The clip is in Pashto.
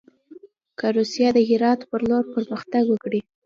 که روسیه د هرات پر لور پرمختګ وکړي.